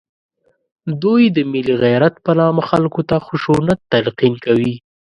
دوی د ملي غیرت په نامه خلکو ته خشونت تلقین کوي